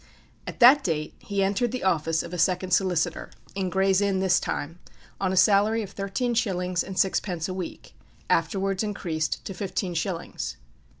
At that date he entered the office of a second solicitor, in Gray's Inn this time, on a salary of thirteen shillings and sixpence a week, afterwards increased to fifteen shillings.